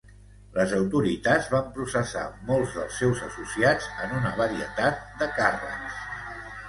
Les autoritats van processar molts dels seus associats en una varietat de càrrecs.